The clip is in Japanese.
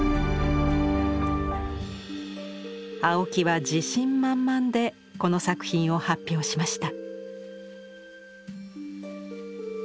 青木は自信満々でこの作品を発表しました。